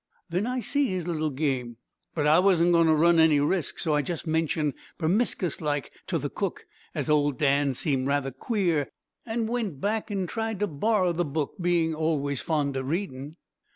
"Then I see his little game, but I wasn't going to run any risks, so I just mentioned, permiscous like, to the cook as old Dan seemed rather queer, an' went back an' tried to borrer the book, being always fond of reading.